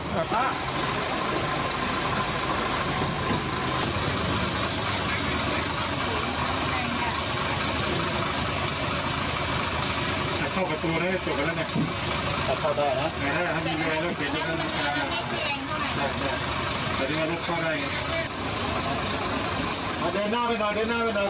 สวัสดีค่ะ